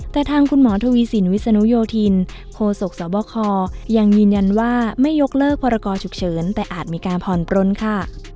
แต่ทางคุณหมอทวีสินวิศนุโยธินโคศกสบคยังยืนยันว่าไม่ยกเลิกพรกรฉุกเฉินแต่อาจมีการผ่อนปลนค่ะ